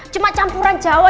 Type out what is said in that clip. cuma campuran jawa